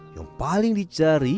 yang paling dicari